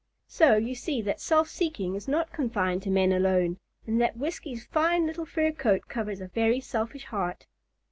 So you see that self seeking is not confined to men alone, and that Whiskey's fine little fur coat covers a very selfish heart.